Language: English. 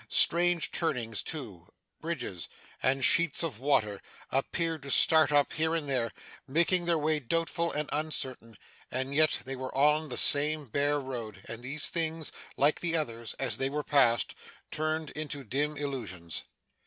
Strange turnings too, bridges, and sheets of water, appeared to start up here and there, making the way doubtful and uncertain; and yet they were on the same bare road, and these things, like the others, as they were passed, turned into dim illusions.